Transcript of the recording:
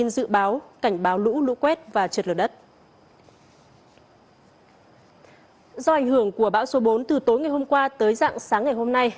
do ảnh hưởng của bão số bốn từ tối ngày hôm qua tới dạng sáng ngày hôm nay